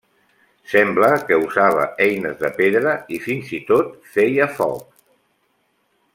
Sembla que usava eines de pedra i fins i tot feia foc.